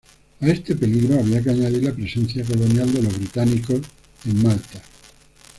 A este peligro había que añadir la presencia colonial de los británicos en Malta.